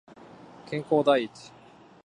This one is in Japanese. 健康第一